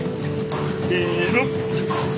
せの！